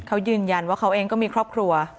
เขายืนยันว่าเขาเองก็มีครอบครัว